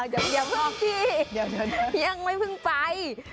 ยังไม่พึ่งพี่ยังไม่พึ่งไป